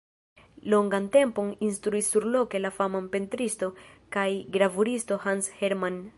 Longan tempon instruis surloke la fama pentristo kaj gravuristo Hans Hermann.